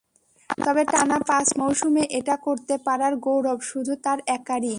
তবে টানা পাঁচ মৌসুমে এটা করতে পারার গৌরব শুধু তাঁর একারই।